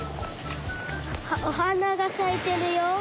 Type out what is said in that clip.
あっおはながさいてるよ？